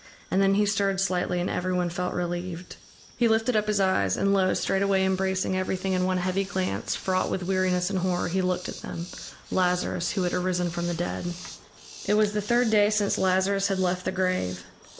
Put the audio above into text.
And then he stirred slightly and everyone felt relieved. He lifted up his eyes, and lo! straightway embracing everything in one heavy glance, fraught with weariness and horror, he looked at them, Lazarus who had arisen from the dead. It was the third day since Lazarus had left the grave.